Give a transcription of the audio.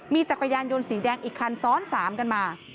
มีจักรยานยนต์สีแดงอีกคันซ้อน๓กันมา